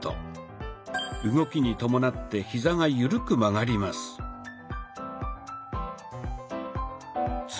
動きに伴ってヒザが緩く曲がります。